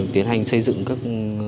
tiến hành xây dựng các